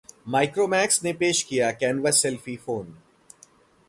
Micromax ने पेश किया कैनवस सेल्फी फोन